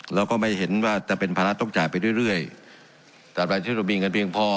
เราก็ไม่เห็นว่าจะเป็นภาระต้องจ่ายไปเรื่อยตามรายที่เรามีเงินเพียงพอ